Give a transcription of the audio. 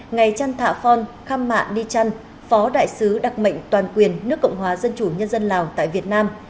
ngài trăn thạ phon kham mạ ni trăn phó đại sứ đặc mệnh toàn quyền nước cộng hòa dân chủ nhân dân lào tại việt nam